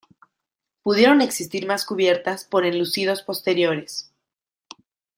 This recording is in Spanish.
Pudieron existir más cubiertas por enlucidos posteriores.